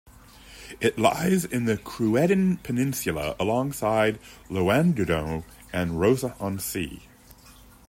It lies in the Creuddyn Peninsula alongside Llandudno and Rhos-on-Sea.